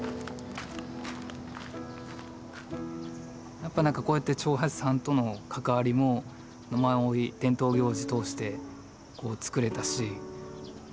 やっぱなんかこうやって長八さんとの関わりも野馬追伝統行事通して作れたしま